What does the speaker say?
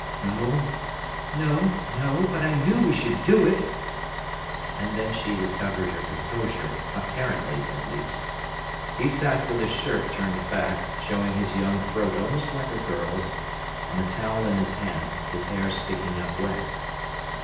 "No—no—but I knew we should do it." And then she recovered her composure, apparently at least. He sat with his shirt turned back, showing his young throat almost like a girl's, and the towel in his hand, his hair sticking up wet.